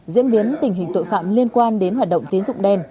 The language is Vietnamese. diễn biến tình hình tội phạm liên quan đến hoạt động tín dụng đen